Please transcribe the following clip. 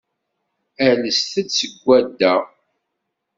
Ales-d seg swadda.